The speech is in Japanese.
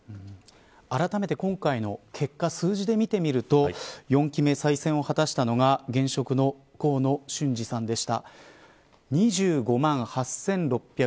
あらためて今回の結果を数字で見てみると４期目、再選を果たしたのが現職の河野俊嗣さんでした。